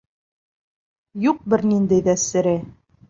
Юҡ бер ниндәй ҙә сере!